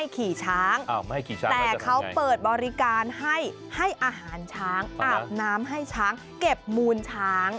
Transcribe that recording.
ขี่ช้างแต่เขาเปิดบริการให้ให้อาหารช้างอาบน้ำให้ช้างเก็บมูลช้าง